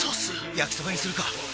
焼きそばにするか！